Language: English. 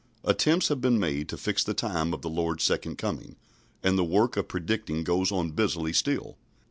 Attempts have been made to fix the time of the Lord's second coming, and the work of predicting goes on busily still.